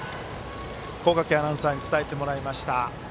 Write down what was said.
小掛アナウンサーに伝えてもらいました。